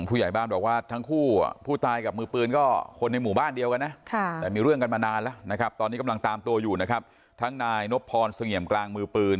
อืมก็ทางผู้ใหญ่บ้านบอกว่าทั้งคู่อ่ะ